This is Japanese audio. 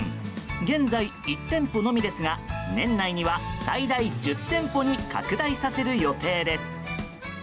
現在１店舗のみですが年内には最大１０店舗に拡大させる予定です。